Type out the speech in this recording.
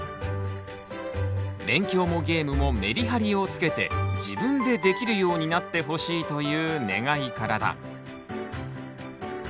勉強もゲームもメリハリをつけて自分でできるようになってほしいという願いからだ。